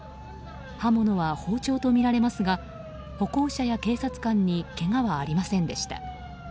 刃物は包丁とみられますが歩行者や警察官にけがはありませんでした。